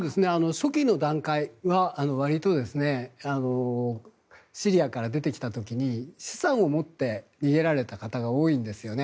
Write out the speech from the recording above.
初期の段階はわりとシリアから出てきた時に資産を持って逃げられた方が多いんですね。